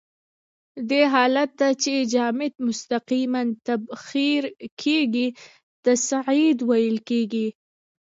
دې حالت ته چې جامد مستقیماً تبخیر کیږي تصعید ویل کیږي.